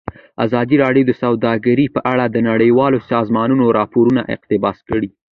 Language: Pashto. ازادي راډیو د سوداګري په اړه د نړیوالو سازمانونو راپورونه اقتباس کړي.